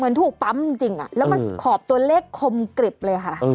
ถูกปั๊มจริงแล้วมันขอบตัวเลขคมกริบเลยค่ะ